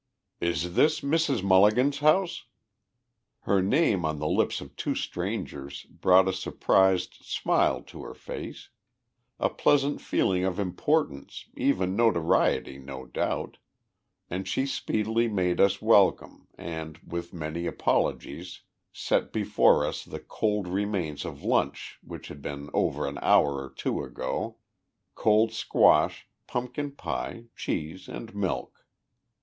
"Is this Mrs. Mulligan's house?" Her name on the lips of two strangers brought a surprised smile to her face a pleasant feeling of importance, even notoriety, no doubt and she speedily made us welcome, and, with many apologies, set before us the cold remains of lunch which had been over an hour or two ago cold squash, pumpkin pie, cheese and milk.